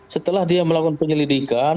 setelah dia melakukan penyelidikan